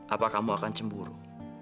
apa kamu akan cemburu